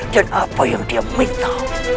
dan apa yang dia minta